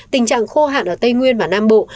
tình trạng khô hạn ở tây nguyên và nam bộ